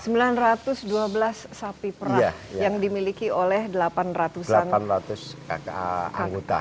ada sembilan ratus dua belas sapi perah yang dimiliki oleh delapan ratus an anggota